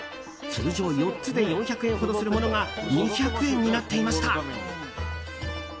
通常４つで４００円ほどするものが２００円になっていました。